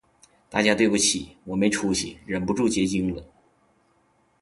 大家对不起，我没出息，忍不住结晶了